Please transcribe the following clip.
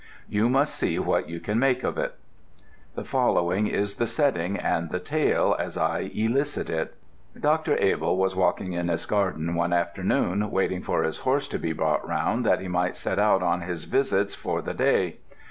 You must see what you can make of it. The following is the setting and the tale as I elicit it. Dr. Abell was walking in his garden one afternoon waiting for his horse to be brought round that he might set out on his visits for the day.